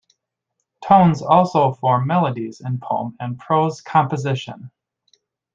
Tones also forms melodies in poem and prose composition.